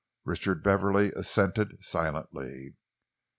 Richard Beverley assented silently.